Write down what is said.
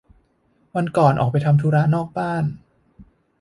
วันก่อนออกไปทำธุระนอกบ้าน